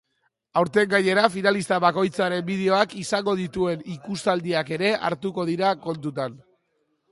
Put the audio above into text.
Aurten gainera, finalista bakoitzaren bideoak izango dituen ikustaldiak ere hartuko dira kontutan.